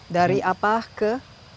dari apa ke apa